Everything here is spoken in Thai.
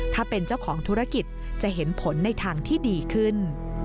ถ้าเป็นเจ้าของธุรกิจจะเห็นผลในทางที่ดีขึ้น